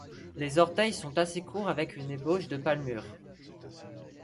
Les orteils sont assez courts avec une ébauche de palmure.